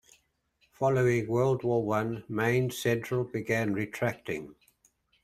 Following World War One, Maine Central began retracting.